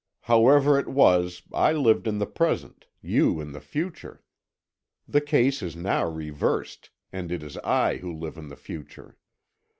However it was, I lived in the present, you in the future. The case is now reversed, and it is I who live in the future.